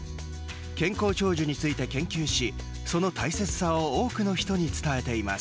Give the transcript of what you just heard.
健康長寿について研究しその大切さを多くの人に伝えています。